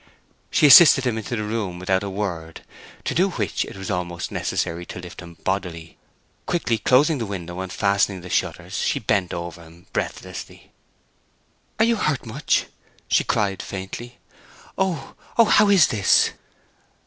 She assisted him into the room without a word, to do which it was almost necessary to lift him bodily. Quickly closing the window and fastening the shutters, she bent over him breathlessly. "Are you hurt much—much?" she cried, faintly. "Oh, oh, how is this!"